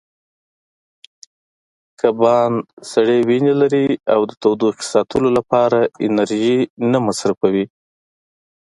کبان سړې وینې لري او د تودوخې ساتلو لپاره انرژي نه مصرفوي.